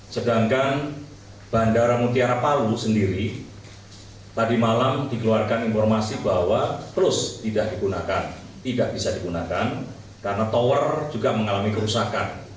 sedangkan bandara mutiara palu sendiri tadi malam dikeluarkan informasi bahwa plus tidak digunakan tidak bisa digunakan karena tower juga mengalami kerusakan